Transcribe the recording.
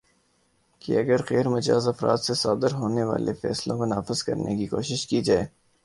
کہ اگرغیر مجاز افراد سے صادر ہونے والے فیصلوں کو نافذ کرنے کی کوشش کی جائے